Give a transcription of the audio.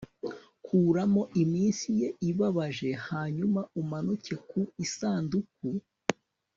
kuramo iminsi ye ibabaje, hanyuma umanuke ku isanduku